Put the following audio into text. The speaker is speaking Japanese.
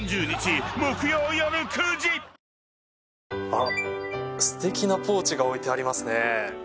あっすてきなポーチが置いてありますね。